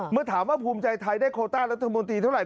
เมื่อถามว่าภูมิใจไทยได้โคต้ารัฐมนตรีเท่าไห